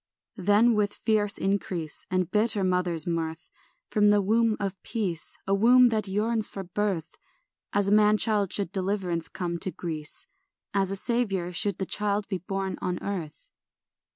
Then with fierce increase And bitter mother's mirth, From the womb of peace, A womb that yearns for birth, As a man child should deliverance come to Greece, As a saviour should the child be born on earth.